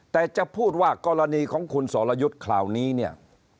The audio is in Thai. แต่จะพูดว่ากรณีของคุณสรยุทธ์คราวนี้เนี่ย